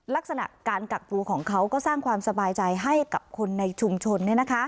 ลักษณะการกักตัวของเขาก็สร้างความสบายใจให้กับคนในชุมชน